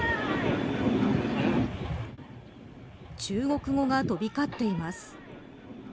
中国語が飛び交っています。